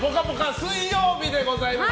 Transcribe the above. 水曜日でございます。